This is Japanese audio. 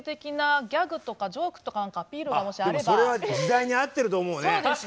でもそれは時代に合ってると思うね。